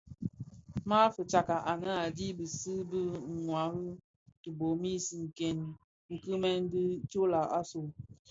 Ma fitsa anë a dhi bisi bi ňwari tibomis nken kimèn dhi toilag asu,